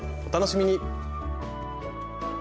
お楽しみに！